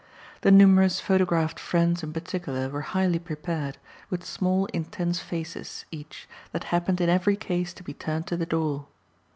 The numerous photographed friends in particular were highly prepared, with small intense faces, each, that happened in every case to be turned to the door.